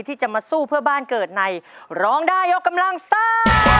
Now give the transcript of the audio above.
ที่จะมาสู้เพื่อบ้านเกิดในร้องได้ยกกำลังซ่า